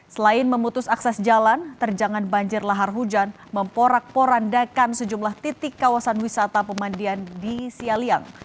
selain memutus akses jalan terjangan banjir lahar hujan memporak porandakan sejumlah titik kawasan wisata pemandian di sialiang